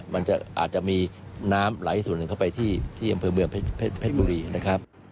มันอาจจะมีน้ำไหลส่วนหนึ่งเข้าไปที่อำเภอเมืองเพชรบุรีนะครับ